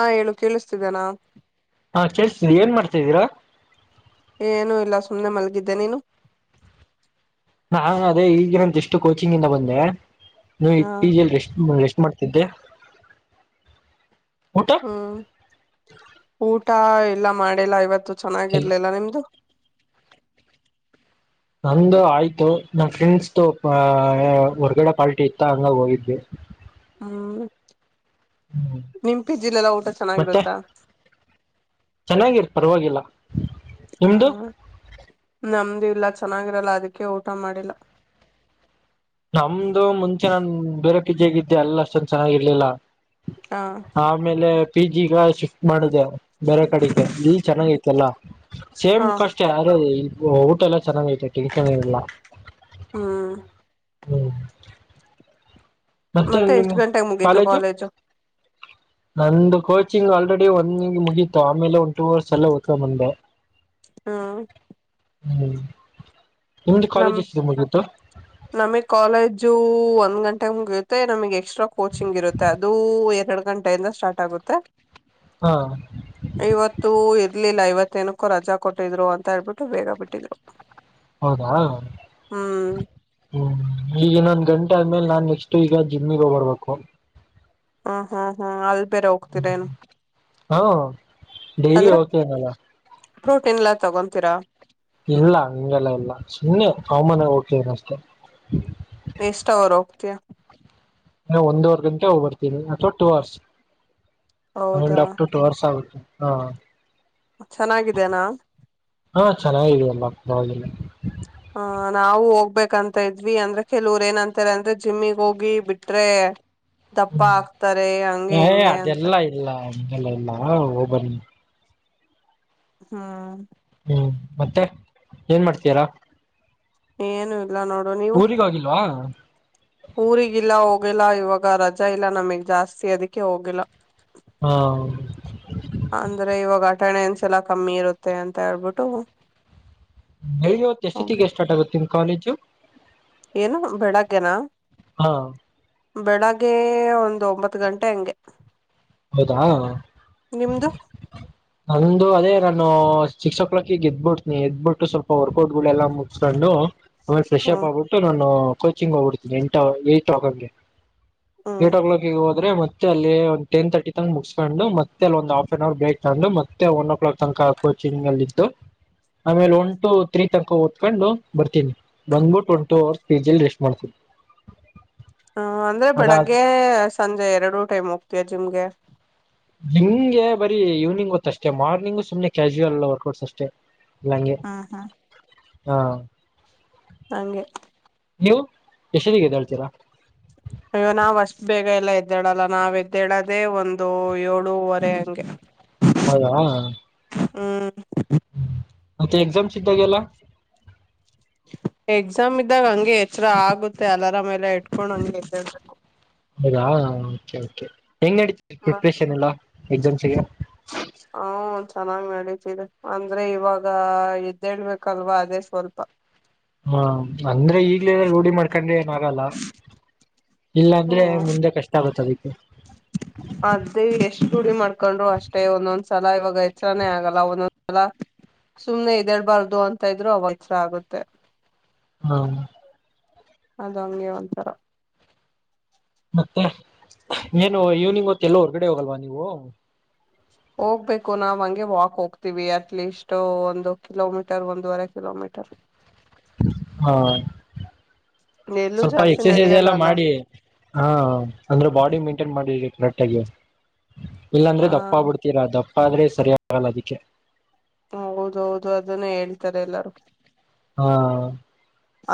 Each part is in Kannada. ಆ ಹೇಳು ಕೇಳಿಸ್ತಿದನಾ ದ್ದರ [inaudible] ಏ ಏನು ಇಲ್ಲ ಸುಮ್ಮ್ನೆ ಮಲಗಿದ್ದೆ ನೀನು ನಾ ಅದೇ ಈಗ ನಮ್ದ ಎಷ್ಟು ಕೋಚಿಂಗ್ ಇಂದ ಬಂದೆ ಹಾ ನ ಮಾಡ್ತಿದ್ದೆ ಊಟ ಹ್ಮ ಊ ಊಟ ಇಲ್ಲ ಮಾಡೆಲ್ಲ ಇವತ್ತು ಚೆನ್ನಾಗಿರ್ಲಿಲ್ಲಾ ನಿಮ್ದು ನಂದು ಆಯ್ತು ನನ್ ಫ್ರೆಂಡ್ಸ್ದು ಹೊರಗಡೆ ಪಾರ್ಟಿ ಇತ್ತ ಹಂಗಾಗ ಹೋಗಿದ್ವಿ ಹ್ಮ ಹ್ಮ್ ನಿಂಪಿಜಿಲ್ಲಲ್ಲ ಊಟ ಮತ್ತೆ ಚೆನ್ನಾಗಿರುತ್ತಾ ಚೆನ್ನಾಗಿರ್ ಪರವಾಗಿಲ್ಲಾ. ಆ ನಮ್ದ್ ಇವ್ತ್ ಇಲ್ಲ ಚೆನ್ನಾಗಿರಲ್ಲ ಅದಕ್ಕೆ ಊಟ ಮಾಡಿಲ್ಲ ನಮ್ದು ಮುಂಚೆ ನನ್ ಬೇರೆ. ಯಾಗಿದ್ದೆ ಅಲ್ ಅಷ್ಟೊಂದ್ ಚೆನ್ನಾಗಿರ್ಲಿಲ್ಲ. ಹ ಆಮೆಲೇ. ಪಿ ಜಿ ಗ ಶಿಫ್ಟ್ ಮಾಡಿದೆವ್. ಬೇರೆ ಕಡೆಗೆ ಇಲ್ಲಿ ಚೆನಾಗಿದ್ದಿಲ್ಲಾ. ಸೇಮ್ ಹಾ ಕಷ್ಟ ಯಾರು ಇಲ್ ಊ-ಊಟ ಎಲ್ಲ ಚೆನ್ನಾಗೈತ್. [unintelligible] ಹ್ಮ್ ಹ್ಮ್ ಮತ್ತೆ ಎಷ್ಟ್ ಗಂಟೆಗ್ ಮುಗೀತು ಕಾಲೇಜು ನಂದು ಕೋಚಿಂಗ್ ಆಲ್ರೆಡಿ ಒಂದ್ ಈಗ್ ಮುಗೀತು ಆಮೇಲೆ ಒಂದ್ ಟೂ ಅವರ್ಸ್ ಎಲ್ಲೆ ಓದ್ಕೊಂಬಂದೆ ಆ ಹ್ಮ್ ನಿಮ್ದು ನಮ್ ಕಾಲೇಜ್ ಎಷ್ಟಿದೆ ಮುಗೀತು ನಮಿಗ್ ಕಾಲೇಜೂ ಒಂದ್ ಗಂ ಟೆಗ್ ಮುಗ್ಯುತ್ತೆ ನಮಗೆ ಎಕ್ಸ್ಟ್ರಾ ಕೋಚಿಂಗ್ ಇರುತ್ತೆ ಅದೂ ಎರಡು ಗಂಟೆಯಿಂದ ಸ್ಟಾರ್ಟ್ ಆಗುತ್ತೆ ಹಾ ಇವತ್ತು ಎದ್ಲೆ ಇಲ್ಲ ಐವತ್ತೇನುಕ್ಕೊ ರಜಾ ಕೊಟ್ಟಿದ್ರು ಅಂತ ಹೇಳ್ಬಿಟ್ಟು ಬೇಗ ಬಿಟ್ಟಿದ್ರು ಹೌದಾ ಹ್ಮ್ ಹ್ಮ್ ಈಗ ನಂದ್ ಗಂ ಟೆ ಆದ್ಮೇಲ್ ನಾನ್ ನೆಕ್ಶ್ಟು ಈಗ ಜಿಮ್ಮಿಗ್ ಹೋಗ್ ನೋಡ್ಬೇಕು ಹಾ ಹಾ ಹಾ ಆದ್ ಹಾ ಡೈಲಿ ಅಂದ್ರೆ ಹೋಗ್ತಿದ್ನಲ ಪ್ರೋಟೀನ್ ಎಲ್ಲ ತಗೋಂತಿರಾ ಇಲ್ಲ ಹಂಗೆಲ್ಲ ಇಲ್ಲ ಸುಮ್ಮನೆ ಕಾಮನ್ನಾಗ್ ಹೋಗ್ತಿದೀನ್ ಅಷ್ಟೆ ಎಷ್ಟ್ ಅವರ್ ಹೋಗ್ತಿಯ ನ ಒಂದುವರೆ ಗಂಟೆ ಹೋಗ್ಬರ್ತಿನಿ ಅಥವಾ ಟೂ ಅವರ್ಸ್ ಹೌದಾ [unintelligible] ಅಪ್ ಟು ಟು ಅವರ್ಸ್ ಆಗುತ್ತೆ ಹಾ ಚೆನ್ನಾಗಿದೆೇನಾ ಹಾ [unintelligible] ಹಾ ನಾವು ಹೋಗ್ಬೇಕಂತ ಇದ್ವಿ ಅಂದ್ರೆ ಕೆಲೋರ್ ಏನಂತರೆ ಅಂದ್ರೆ ಜಿಮ್ಮಿಗ್ ಹೋಗಿ ಬಿಟ್ರೇ ದಪ್ಪ ಹ್ಮ್ ಆಕ್ತಾರೆ ಹಂಗೆ ಹಿಂಗೆ ಅಂತಾರ ಹಲ್ಲ ಇಲ್ಲ ಹೋಗಬನ್ನಿ ಹ್ಮ ಹ್ಮ್ ಮತ್ತೆ ಏನ್ ಮಾಡ್ತಯಾರ ಏನು ಇಲ್ಲ ನೋಡು ನೀವು ಊರಿಗ ಹೋಗಿಲ್ವಾ ಊರಿಗಿಲ್ಲ ಹೋಗಿಲ್ಲ ಇವಾಗ ರಜಾ ಇಲ್ಲ ನಮಗ್ ಜಾಸ್ತಿ ಅದಿಕ್ಕೆ ಹೋಗಿಲ್ಲ ಹಾ ಟ್ಟಣೆನ್ಸಲ ಕಮ್ಮಿ ಇರುತ್ತೆ ಅಂತ ಹೇಳ್ಬಿಟ್ಟು ನಿ ಹೊತ್ತು ಎಷ್ಟೊತ್ತಿಗೆ ಹೋಗಿಲ್ಲ ಸ್ಟಾರ್ಟ ಆುತ್ತ ನಿಮ್ ಕಾಲೇಜ್ [inaudible] ಏನು ಬೆಡಕನಾ ಹಾ ಬೆಳಗ್ಗೆ ಒಂದ್ ಒಂಬತ್ತು ಗಂಟೆ ಹಂಗೆ ಹೌದಾ ನಿಮ್ದು ನಂದು ಅದೇ ನಾನು ಸಿಕ್ಸ್ ಓ ಕ್ಲಾಕಿಗೆ ಎದ್ಬಿಡ್ತನಿ ಎದ್ಬಿಟ್ಟು ಸ್ವಲ್ಪ ವರ್ಕೌಟ್ ಗಳೆಲ್ಲ ಮುಚ್ಕೊಂಡು ಆಮೇಲೆ ಫ್ರೆಶಪ್ ಹ್ಮ್ ಆಗ್ಬಿಟ್ಟು ನಾನು ಕೋಚಿಂಗ್ ಹೋಗಬಿಡ್ತೀನಿ ಎಂಟ ಎಟ್ೋಗಗೆ ಹ್ಮ್ ಏಟ್ ಕ್ಲಾಕ್ ಿಗೆ ಹೋದ್ರೆ ಮತ್ತೆ ಮತ್ತ ಅಲ್ಲಿ ಟೆನ್ ತರ್ಟಿ ತನ ಮುಗಿಸಕೊಂಡು ಮತ್ತೆ ಅಲ್ಲಿ ಒಂದು ಹಾಫ್ ಆನ್ ಅವರ್ ಬ್ರೇಕ್ ತೊಂಡು ಮತ್ತೆ ಒನ್ ಓ ಕ್ಲಾಕ್ ತನಕ ಕೋಚಿಂಗ್ ಅಲ್ಲಿ ಇದು ಆಮೇಲೆ ಒನ್ ಟು ತ್ರೀ ತನಕ ಓದ್ಕೊಂಡು ಬರ್ತೀನಿ ಬಂದ್ಬಿಟ್ಟು ಒ ಟ ಅವರ್ ರೆಸ್ಟ್ ಮಾಡ್ತೀನಿ ಹ ಅಂದ್ರೆ ಅದಾದ ಬೆಳಗ್ಗೆ ಸಂಜೆ ಎರಡು ಟೈಮ್ ಹೋಗತ ಚು ಮುಗೆ ಹಂಗೆ ಬರೀ ಈವ್ನಿಂಗ್ ಗೊತ್ತ ಅಷ್ಟೆ ಮಾರ್ನಿಂಗ್ು ಸುಮ್ನೆ ಕ್ಯಾಶುವಲ್ ವರ್ಕ್ೌಟ್ಸ್ ಅಷ್ಟೆ ಹಾ ಹಾ ಹಾ ಹಗೆ ನೀವು ಯಶದಿಗೆ ಹೇಳ್ತೀರಾ ಅಯ್ಯೋ ನಾವ್ ಅಷ್ಟ ಬೇಗ ಎಲ್ಲ ಎದ್ದಾಡಲ್ಲ ನಾವ್ ಎದ್ದಡದೆೇ ಒಂದು ಏಳುವರೆ ಹಂಗೆ ಹೌದಾ ಹ್ಮ ಹ ಮತ್ತ ಎಗ್ಜಾಮ ಸ್ಧ ಗಲ್ಲ ಎಕ್ಸಾಮ್ ಇದ್ದಾಗ ಹಂಗೆ ಎಚ್ಚರ ಆಗುತ್ತೆ ಅಲರಾಮೇ ಹೌದಾ ಓಕೆ ಹೆಂಗ್ ಅಡತ ಪ್ರಿಪ್ರೇಷನ್ ಎಲ್ಲಾ ಎ ಜ ಸಿಗ ಹ ಚೆನ್ನಾಗ್ ನತೀವಿ ಅಂದ್ರೆ ಇವಾಗ ಇದದ್ದೇಳ್ಬೇಕಲ್ವಾ ಅದೇ ಸ್ವಲ್ಪ ಹಾ ಅಂದ್ರೆ ಈಗ್ಲೇ ರೂಡಿ ಮಾಡ್ಕೊಂಡೆ ಏನ ಆಗಲ್ಲ ಹ್ಮ ಅದೇ ಎಷ್ಟ್ ಗುಡಿ ಮಾಡ್ಕೊಂಡ್ರು ಅಷ್ಟೇ ಒಂದೊಂದ [unintelligible] ಸಲ ಇವಾಗ ಎಚ್ಚರಾನೇ ಆಗಲ್ಲ ಒಂದೊಂದ್ಸಲ ಸುಮ್ನೆ ಇದೇಳ್ಬಾರ್ದು ಅಂತ ಇದ್ರು ಅವಾಗ ಹೆಚ್ಚರ ಆಗುತ್ತೆ [unintelligible] ಹ್ಮ [unintelligible] ಅದ ಹಂಗೆ ಒಂಥರ [unintelligible] ಮತ್ತೆ ಏನು ಇವ್ನಿಂಗ್ ಹೊತ್ತ ಎಲ್ಲ ಹೊರ್ಗಡೆ ಹೋಗಲ್ವಾ ನೀವು [unintelligible] ಹೋಗ್ಬೇಕು ನಾವ್ ಹಂಗೆ ವಾಕ್ ಹೋಗ್ತೀವಿ ಅಟ್ಲೀಸ್ಟ್ ಒಂದು ಕಿಲೋಮೀಟರ್ ಒಂದೂವರೆ ಕಿಲೋಮೀಟರ್ [unintelligible] ಹಾ [unintelligible] ಎಲ್ಲೂ ಸ್ವಲ್ಪ ಜಾಸ್ತಿ ಎಕ್ಸಸೈಸ್ ನಡೆಯಲ್ಲ ಎಲ್ಲ ಅಲ್ಲ ಮಾಡಿ ಹ ಅಂದ್ರೆ ಬಾಡಿ ಮೇಂಟೈನ್ ಮಾಡಿ [unintelligible] ಆ ಯು [inaudible] ಹ ಇಲ್ಲಾಂದ್ರೆ ದಪ್ಪ ಬಿಡ್ತೀರಾ ದಪ್ಪ [unintelligible] ಆದ್ರೆ ಸರಿಯಾಗಲ್ಲ ಅದಕ್ಕೆ [unintelligible] ಹೌದ ಹೌದು ಅದನ್ನೇ ಹೇಳ್ತಾರೆ ಎಲ್ಲಾರು [unintelligible] ಹಾ [unintelligible]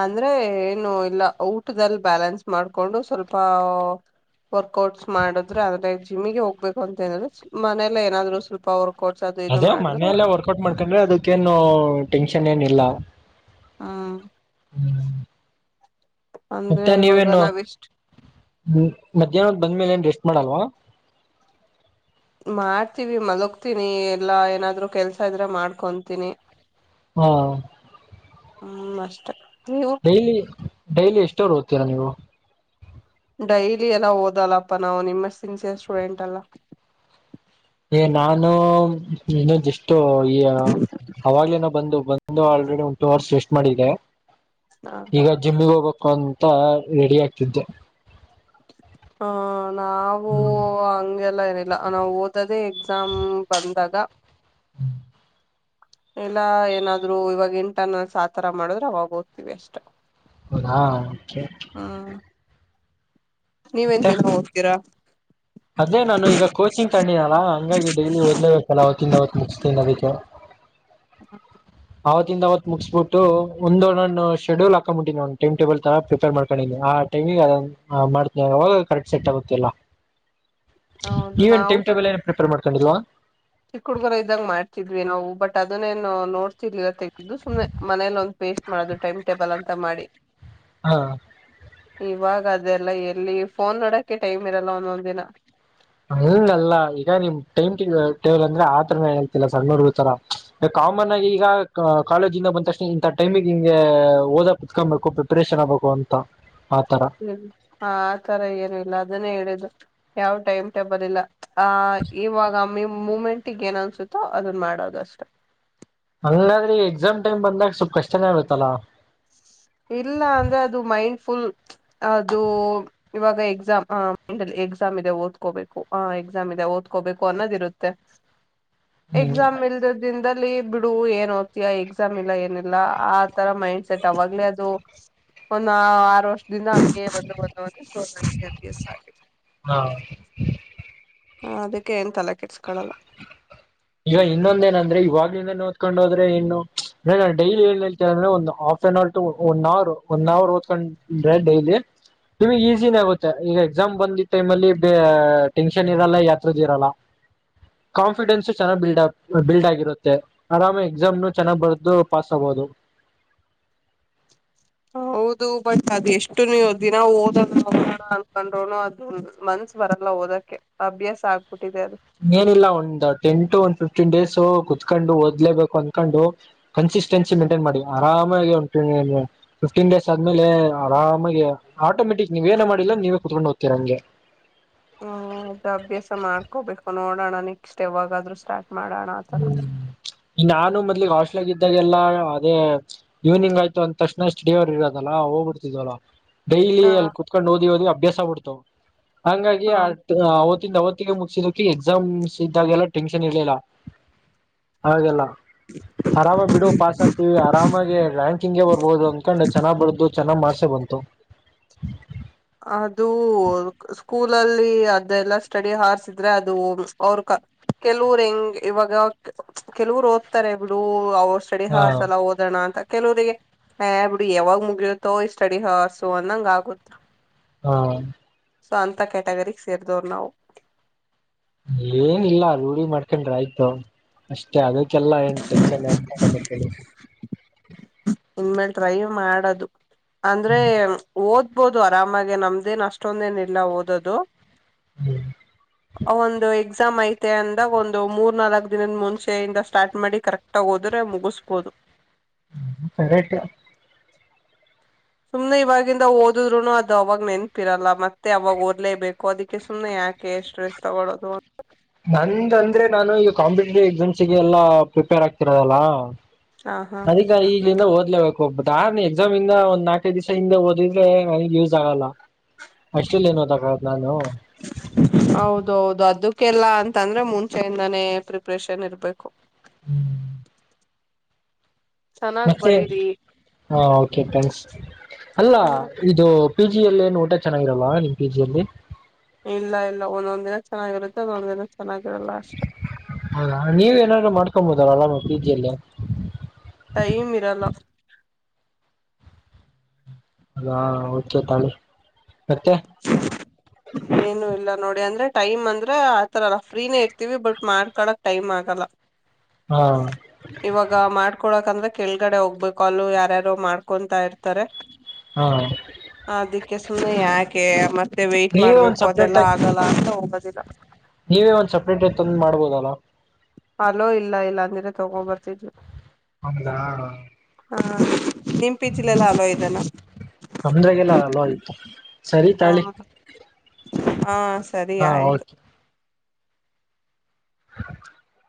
ಅಂದ್ರೆ ಏನು ಇಲ್ಲ ಊಟದಲ್ಲಿ ಬ್ಯಾಲೆನ್ಸ್ ಮಾಡ್ಕೊಂಡು ಸ್ವಲ್ಪ [unintelligible] ವರ್ಕ್ಔಟ್ಸ್ ಮಾಡಿದ್ರೆ ಅದ್ರ [unintelligible] ಜಿಮ್ಮಿಗೆ ಹೋಗ್ಬೇಕು ಅಂತೇನಿಲ್ಲ ಮನೇಲೆ ಏನಾದ್ರು ಸ್ವಲ್ಪ ಅವ್ರ. ಅದೇ ಮನೆಯಲ್ಲೇ ವರ್ಕೌಟ್ ಮಾಡ್ಕೊಂಡ್ರೆ ಅದಕ್ಕೇನು ಟೆನ್ಷನ್ ಏನು ಇಲ್ಲಾ. ಹ. ಹಾ. [inaudible] ಅಂದ್ರೆ ಮತ್ತೆ ಇವಾಗ ನೀವೇನು ನಾವ್ ಎಷ್ಟ್ ಮಧ್ಯಾಹ್ನ. ಬಂದ್ಮೇಲೆ ಏನ್ ರೆಸ್ಟ್ ಮಾಡಲ್ವಾ. ಮಾಡ್ತೀವಿ ಮಲಗ್ತೀನಿ ಎಲ್ಲಾ ಏನಾದ್ರು ಕೆಲ್ಸ ಇದ್ರೆ ಮಾಡ್ಕೊತೀನಿ. ಹ್ಮ. ಹ್ಮ್ ಅಷ್ಟೇ. ಡೈಲಿ ಡೈಲಿ ಎಷ್ಟು. ಎಷ್ಟ ಅವರ್ ಓತಿರಾ ನೀವು. ಡೈಲಿ ಎಲ್ಲಾ ಓದಲ್ಲಪ್ಪ ನಾವು ನಿಮ್ಮಷ್ಟು ಸಿನ್ಸಿಯರ್ ಸ್ಟೂಡೆಂಟ್ ಅಲ್ಲಾ. ಏ ನಾನು ಇನ್ನೂ ಜಸ್ಟ್. [unintelligible] ಆವಾಗ್ಲಿಂದ ಬಂದು ಬಂದು. ಬಂದು ಆಲ್ರೆಡಿ ಒಂದು ಟೂ ಅವರ್ಸ್ ರೆಸ್ಟ್ ಮಾಡಿದೆ. ಹ ಈಗಾ ಜಿಮ್ಮಿಗ್ ಹೋಗ್ಬೇಕ್. ಅಂತಾ ರೆಡಿ ಆಗ್ತಿದ್ದೆ. ಹ ನಾವು ಹ್ಮ್ ಹಂಗೆಲ್ಲ ಏನಿಲ್ಲಾ ನಾವು ಓದದೆ ಎಕ್ಸಾ. ಎಕ್ಸಾಮ್ ಬಂದಾಗ. ಹ್ಮ್. ಇಲ್ಲಾ ಏನಾದ್ರು ಇವಾಗ ಇಂಟರ್ನಲ್ಸ್ ಆಥರ ಮಾಡಿದ್ರೆ ಅವಾಗ ಓದ್ತೀವಿ ಅಷ್ಟೇ. ಹೌದಾ ಓಕೆ. ನೀವೇನ್ ದಿನಾ ಓದತೀರಾ. ಅದೇ ನಾನು ಈಗ ಕೋಚಿಂಗ್ ತಗೊಂಡಿನಲ್ಲಾ ಹಂಗಾಗಿ ಡೈಲಿ ಓದ್ಲೇಬೇಕಲ್ಲ ಅವತ್ತಿಂದ ಅವತ್ತ ಮುಗಿಸ್ಲೇಬೇಕ್ ಅದೀಕ್ಕೆ. ಹ. ಅವತ್ತಿಂದ ಅವತ್ ಮುಗಿಸಸ್ಬಿಟ್ಟು ಒಂದು ನಾನು ಶೆಡ್ಯೂಲ್ ಹಾಕೊಂಡಬಿಟ್ಟಿನಿ ಒಂದು ಟೈಮ್ ಟೇಬಲ್ ತರ ಪ್ರಿಪೇರ್ ಮಾಡ್ಕೊಂಡಿನಿ ಆ ಟೈಮಿಗೆ ಅದೊಂದು ಆ ಮಾಡ್ತಿನಿ ಅವಾಗ ಕರೆಕ್ಟ್ ಸೆಟ್ ಆಗುತ್ತೆಲ್ಲಾ. ಹೌದು ನೀವೇನ್ ನಾವು ಟೈಮ್ ಚಿ ಟೇಬಲ್ ಎಲ್ಲಾ ಪ್ರಿಪೇರ್ ಮಾಡ್- ಹಾಕಂಡಿಲ್ವಾ, ಚಿಕ್ಕ ಹುಡ್ಗರ ಇದಾಗ ಮಾಡ್ತಿದ್ವಿ, ನಾವು ಬಟ್ ಅದನೇನ್ ನೋಡ್ತಿರಲಿಲ್ ತೆಗಿದ್, - ಇದ್ದು ಸುಮ್ನೆ ಮನೇಲ ಒಂದ್ ಪೇಸ್ಟ್ ಮಾಡೋದು. ಟೈಮ್ ಟೇಬಲ್ ಅಂತಾ ಮಾಡಿ, ಹಾ - ಇವಾಗ ಅದೆಲ್ಲ ಎಲ್ಲಿ ಫೋನ್ ನೋಡಕೆ ಟೈಮ್ ಇರಲ್ಲ ಒಂದೊಂದ್ ದಿನ. ಅಂಗ ಅಲ್ಲ ಈಗ ನಿಮ್ ಟೈಮ್ ಟೇಬಲ್ ಅಂದ್ರೆ ಆತರನ ಹೇಳ್ತಿಲ್ಲ. ಸಣ್ಣ ಹುಡುಗರತರ ಕಾಮನ್ ಆಗಿ ಈಗ ಕಾಲೇಜಿಂದ ಬಂದಕ್ಷಣ ಇಂಥ ಟೈಮಿಗೆ ಹಿಂಗೆ ಓದ ಕುತ್ಕೊಬೇಕು ಪ್ರಿಪರೇಷನ್ ಆಗ್ಬೇಕು ಅಂತ. ಆತರ ಹ್ಮ್, ಹ ಆ ತರ ಏನು ಇಲ್ಲ ಅದನ್ನೇ ಹೇಳುದು. ಯಾವ್ ಟೈಮ್ ಟೇಬಲ್ ಇಲ್ಲ. ಹ ಇವಾಗಮ್ಮ [unintelligible] ಮೂಮೆಂಟಿಗೆ ಏನ್ ಅನ್ಸುತ್ತೋ ಅದನ್ ಮಾಡೋದಷ್ಟೆ. ಅಲ್ಲಾದ್ರೆ ಎಕ್ಸಾಮ್ ಟೈಮ್ ಬಂದಾಗ ಸ್ವಲ್ಪ ಕಷ್ಟನೇ ಇರುತ್ತಲ್ಲಾ, ಇಲ್ಲ ಅಂದ್ರೆ ಅದು ಮೈಂಡ್ ಫುಲ್ ಅದು, ಇವಾಗ ಎಕ್ಸಾಮ್ ಆ ಮೈಂಡಲ್ಲಿ ಎಕ್ಸಾಮ್ ಇದೆ ಓದ್ಕೋಬೇಕು. ಹ ಎಕ್ಸಾಮ್ ಇದೆ ಓದ್ಕೋಬೇಕು ಅನ್ನೋದ್ ಇರುತ್ತೆ. ಎಗಜಾಮ ಮಲ್ದ ದಿನದ [unintelligible] ಬಿಡು ಏನ್ ಓದ್ತೀಯಾ ಎಕ್ಸಾಮ್ ಇಲ್ಲ ಏನಿಲ್ಲ ಆ ತರ ಮೈಂಡ್ ಸೆಟ್ ಅವಾಗ್ಲೇ, - ಒಂದು ಆರು ವರ್ಷ, - ಿನ ಬಂದು ಬಂದುಂದ ನಗೆ್ಯಾಪ ಆಗ [unintelligible] ಹ್ಮ್ ಹ, ಅದಕ್ಕೆ ಎನತಲೆ ಕೆಟ್ಸ್ಕೊಳ್ಳಲ್ಲ. ಈಗ ಇನ್ನೊಂದ ಏನಂದ್ರೆ ಇವಾಗ್ಲ ಓದ್ಕೊಂಡ ಹೋದ್ರೆ, ಇನ್ನು ಅಂದ್ರೆ ನ ಡೈಲಿ ಏನ್ ಹೇಳ್ತೇನೆ ಅಂದ್ರೆ ಒ half an hour to one hour one hour ಓದ್ಕೊಂಡ್ರೆ ಡೈಲಿ ನಿಮ ಈಸಿನ ಆಗುತ್ತೆ. ಈಗ ಎಕ್ಸಾಮ್ ಬಂದಿದ್ದ ಟೈಮಲ್ಲಿ ಟೆನ್ಷನ್ ಇರಲ್ಲ ಯತಂದ ಇರಲ್ಲ. ಕಾನ್ಫಿಡೆನ್ಸ್ -ಚೆ ಬಿಡ್ ಬಿಲ್ಡ್ ಆಗಿರುತ್ತೆ ಆರಾಮ್ ಎಕ್ಸಾಮ್ ಚೆನ್ನಾಗ್ ಬರ್ದು ಪಾಸ್ ಆಬೋುದು. ಹೌದು, ಬಟ್ ಅದ ಎಷ್ಟು ನೀವು ದಿನ ಓದ ಹೋಗೋಣ ಅನ್ಕೊಂಡ್ರೋನು ಅದು ಮನ್ಸ್ ಬರಲ್ಲ ಓದಕ್ಕೆ ಅಭ್ಯಾಸ ಆಗ್ಬಿಟ್ಟಿದೆ. ಅ ಏನಿಲ್ಲ ಒಂದ ಟೆನ್ ಟು ಒಂದ್ ಫಿಫ್ಟೀನ್ ಡೇಸ್ ಕುೂತ್ಕೊಂಡು. ಓದ್ಬೇಕು ಅಂದಕೊಂಡು ಕನ್ಸಿಸ್ಟೆನ್ಸಿ ಮೇಂಟೈನ್ ಮಾಡಿ, ಆರಾಮಾಗಿ ಒ ಫಿಫ್ಟೀನ್ ಡೇಸ್ ಆದ್ಮೇಲೆ ಆರಾಮಾಗಿ ಆಟೋಮೆಟಿಕ್ ನೀವ ಏನ ಮಾಡಿಲ್ಲ ನೀವೇ ಕುೂತ್ಕೊಂಡು ಓದ್ತೀ ರಹಂಗೆ. ಹ್ಮ್, ಅದು ಅಭ್ಯಾಸ ಮಾಡ್ಕೋಬೇಕು. ನೋಡೋಣ ನಿಕ್ಸ್ಟ್ ಯಾವಾಗಾದ್ರೂ ಸ್ಟಾರ್ಟ್, - ಮಾಡೋಣ. ಆ ತರ ಗ್ ಹಾಸ್ಟ್ಲ್ ಆಗ ಇದ್ದಾಗೆಲ್ಲಾ ಅದೇ ಇವ್ನಿಂಗ್ ಆಯ್ತು ಅಂದ ತಕ್ಷಣ. ಸ್ಟಡೀವರ್ ಇರೋದಲ್ಲ ಹೋಗ್ಬಿಡ್ತಿದ್ವಲ್ಲ. ಡೈಲಿ ಹ ಅಲ್ಲಿ ಕುತ್ಕೊಂಡು ಓದ, ಓದಿ ಅಭ್ಯಾಸ ಬ ಬಿಡ್- ತ್ತುೋ [inaudible] ಹಂಗಾಗಿ ಹ [unintelligible] ಅವತ್ತಿಗೆ ಮುಗಿಸಿದಕ್ಕೆ ಎಕ್ಸಾಮ್ಸ್ ಇದ್ದಾಗೆಲ್ಲ ಟೆನ್ಷನ್ ಇರ್ಲಿಲ್ಲ. -ಹಾಗಲ್ಲ. ಆರಾಮಾಗಿ ಬಿಡು ಪಾಸ್ ಆಗ್ತೀವಿ. ಆರಾಮಾಗಿ ರ್ಯಾಂಕಿಂಗ್ಗೆ ಬರ್ಬಹುದು ಅಂದ್ಕೊಂಡು ಚನ್ನಾಗ್ ಬರದ, - ಚೆನ್ನಗ್ಮಾರ್ಸ್ ಬಂತತು. ಅದು ಸ್ಕೂಲಲ್ಲಿ ಅದೆಲ್ಲಾ ಸ್ಟಡಿ ಹಾರ್ಸಿದ್ರೆ. ಅದು ಅವ್ರ ಕೆಲವರ್ ಹೆಂಗ ಇವಾಗ ಕೆಲವರು ಓದ್ತಾರೆ ಬಿಡು. ಅವ- ಸಡಿ ಹಾ ಹಾಸಲ್ಲ ಓದೋಣ ಅಂತ. ಕೆಲವರಿಗೆ ಆ ಬಿಡು ಯಾವಾಗ್ ಮುಗಿಯತ್ತೋ ಈ ಸ್ಟಡಿ ಹಾರ್ಸು ಅಂದಂಗ ಆಗುತ್ತೆ. ಹಾ,, ಸೊ ಅಂತ ಕ್ಯಾಟಗರಿಗ್ ಸೇರ್ದವರು ನಾವು. ಏನಿಲ್ಲ ರೂಢಿ ಮಾಡ್ಕೊಂಡ್ರ ಆಯ್ತು ಅಷ್ಟೇ. ಅದ- ಲ್ಲ ಏನ್ ಟೆನ್ನ್ ಆಗ [unintelligible] ಇನ್ನಮೇಲೆ ಟ್ರಯ್ ಮಾಡದು ಅಂದ್ರೆ ಓದ್ ಓದಬಹುದು ಆರಾಮಾಗಿ ನಮ್ದೇನ್ ಅಷ್ಟೊಂದೇನ ಇಲ್ಲ ಓದದು ಹೂ [unintelligible] ಒಂದು ಎಕ್ಸಾಮ್ ಐತೆ ಅಂದ ಒಂದು ಮೂರ್ನಾಲ್ಕ್ ದಿನದ ಮುಂಚೆಯ ಇಂದ ಸ್ಟಾರ್ಟ್ ಮಾಡಿ ಕರೆಕ್ಟ್ ಆಗ ಓದಿದ್ರೆ ಮುಗಿಸಬೋದು ಕರೆಕ್ಟ ಸುಮ್ನೆ ಇವಾಗಿಂದ ಓದದ್ರುನು ಅದು ಅವಾಗ ನೆನ್ಪಿರಲ್ಲ ಮತ್ತೆ ಅವಾಗ ಓದಲೇ ಬೇಕು ಅದಕ್ಕೆ ಸುಮ್ನೆ ಯಾಕೆ ಸ್ಟ್ರೆಸ್ ತಗಳೋದು ಅಂತ ನಂದ ಅಂದ್ರೆ ನಾನು ಈಗ ಕಾಂಪಿಟೇಟಿವ್ ಎಕ್ಸಾಮ್ಸ್ಸಗೆ ಎಲ್ಲಾ ಪ್ರಿಪೇರ್ ಆಗ್ತಿರೋದಲ್ಲ ಹ ಹಾ ಅದಕ್ಕೆ ಇಲ್ಲಿಂದ ಓದ್ಲೇಬೇಕು ಒಬ್ಬ ದಾ ಎಕ್ಸಾಮ್ಂದ ಒಂದ್ ನಾಲ್ಕೈ ದಿವಸ ಹಿಂದ ಓದಿದ್ರೆ ನನಗ್ ಯೂಸ್ ಆಗಲ್ಲ ಅಷ್ಟಲ್ಲಿ ಏನ್ ಓದಕ ಆಗುತ್ತೆ ನಾನು ಹೌದೌದು ಅದಕ್ಕೆಲ್ಲ ಅಂತಂದ್ರೆ ಮುಂಚೆಯಿಂದಾನೇ ಪ್ರಿಪ್ರೇಷನ್ ಇರ್ಬೇಕು ಹು ಚೆನ್ನಾಗ್ ಮತ್ತೆ ಬರೀರಿ ಹ ಓಕೆ ಥ್ಯಾಂಕ್ಸ್ ಅಲ್ಲ ಇದು ಪಿಜಿಯಲ್ಲಿ ಏನ್ ಊಟ ಚೆನ್ನಾಗಿರಲ್ವಾ ನಿಮ್ ಪಿ ಜಿ ಅಲ್ಲಿ ಇಲ್ಲ ಇಲ್ಲ ಒಂದೊಂದ್ ದಿನ ಚೆನ್ನಾಗಿರುತ್ತೆ ಅಂದೊಂದ್ ದಿನ ಚೆನ್ನಾಗಿರಲ್ಲ ಅಷ್ಟೆ ಹೌದಾ ನೀವ ಏನಾದ್ರು ಮಾಡ ಮಾಡ್ಕೋಬಹುದಲ್ಲ ಪಿಜಿಯಲ್ಲಿ ಟೈಮ ಇರಲಾ ಹೌದ ಓಕೆ ತಗೊಳ್ಳಿ ಮತ್ತೆ ಏನು ಇಲ್ಲ ನೋಡಿ ಅಂದ್ರೆ ಟೈಮ್ ಅಂದ್ರೆ ಆತರಲ್ಲ ಫ್ರೀನೇ ಇರ್ತೀವಿ ಬಟ್ ಮಾಡ್ಕಳಕ್ ಟೈಮ್ ಆಗಲ್ಲ ಹಾ ಇವಾಗ ಮಾಡ್ಕೊಳಕಂದ್ರೆ ಕೆಳ್ಗಡೆ ಹೋಗ್ಬೇಕು ಅಲ್ಲೂ ಯಾರ್ಯಾರು ಮಾಡ್ಕೊಂತಾ ಇರ್ತಾರೆ ಹಾ ಅದಕ್ಕೆ ಸುಮ್ಮನೆ ಯಾಕೆ ಮತ್ತೆ ವೇಟ್ ನೀವೇ ಒಂದ್ ಮಾಡ್ಬೇಕು ಸಪ್ರೇಟ್ ಅದೆಲ್ಲ ಆಗಿ ಆಗಲ್ಲ ಅಂತ ಹೋಗದಿಲ್ಲ ನೀವೇ ಒಂದ್ ಸಪ್ರೇಟ್ ಆಗಿ ತಂದ ಮಾಡ್ಬೋದಲ್ಲ ಅಲೋ ಇಲ್ಲ ಇಲ್ಲಅಂದ್ರೆ ತಗೊ ಬರ್ತಿದ್ರು ಹೌದಾ ಹಾ ನಂದ್ರಾಗೆಲ್ಲ ಅಲೋ ಆಯ್ತು ಸರಿ ಹ ತಾಳಿ ಹಾ ಸರಿ ಹಾ ಆಯ್ತು ಓಕೆ [unintelligible]